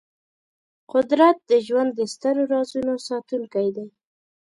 قدرت د ژوند د سترو رازونو ساتونکی دی.